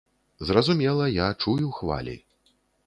Зразумела, я чую хвалі.